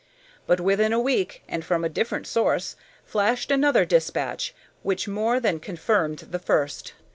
But within a week, and from a different source, flashed another despatch which more than confirmed the first.